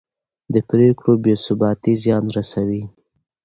د پرېکړو بې ثباتي زیان رسوي